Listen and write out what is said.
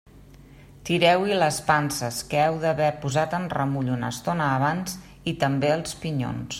Tireu-hi les panses, que heu d'haver posat en remull una estona abans, i també els pinyons.